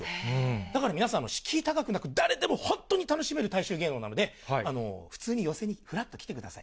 だから皆さんも敷居高くなくて、誰でも本当に楽しめる大衆芸能なので、普通に寄席にふらっと来てください。